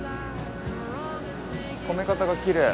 止め方がきれい。